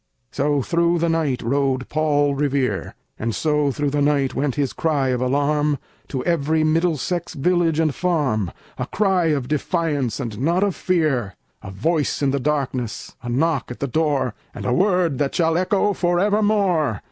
So through the night rode Paul Revere; And so through the night went his cry of alarm To every Middlesex village and farm, A cry of defiance, and not of fear, A voice in the darkness, a knock at the door, And a word that shall echo forevermore!